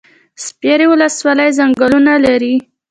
سپیرې ولسوالۍ ځنګلونه لري؟